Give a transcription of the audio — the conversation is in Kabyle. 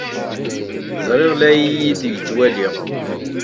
Ẓriɣ la iyi-d-yettwali.